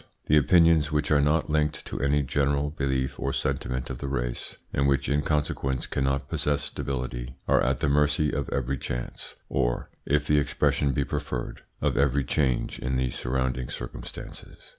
The opinions which are not linked to any general belief or sentiment of the race, and which in consequence cannot possess stability, are at the mercy of every chance, or, if the expression be preferred, of every change in the surrounding circumstances.